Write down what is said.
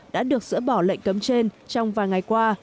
đã được dỡ bỏ lệnh cấm trên trong vài ngày qua